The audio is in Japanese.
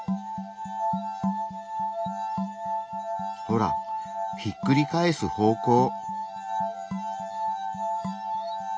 ほらひっくり返す方向。